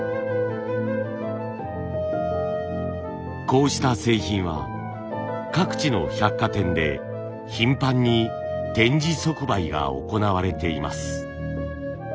こうした製品は各地の百貨店で頻繁に展示即売が行われています。